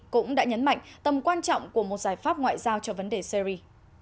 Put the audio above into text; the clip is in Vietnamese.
cũng đã nhấn mạnh tầm quan trọng của một giải pháp ngoại giao cho vấn đề syri